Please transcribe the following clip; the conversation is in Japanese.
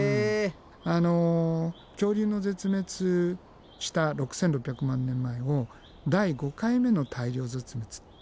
あの恐竜の絶滅した６，６００万年前を第５回目の大量絶滅って。